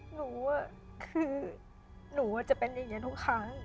หนูคือหนูจะเป็นอย่างนี้ทุกครั้ง